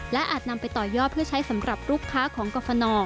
และอาจนำไปต่อยอดเพื่อใช้สำหรับลูกค้าของกรฟน